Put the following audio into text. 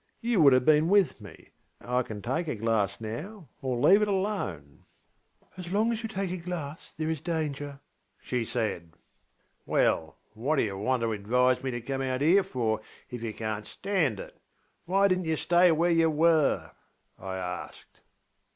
You would have been with me. I can take a glass now or leave it alone. ŌĆÖ ŌĆśAs long as you take a glass there is danger, ŌĆÖ she said. ŌĆśWell, what did you want to advise me to come out here for, if you canŌĆÖt stand it? Why didnŌĆÖt you stay where you were? ŌĆÖ I asked.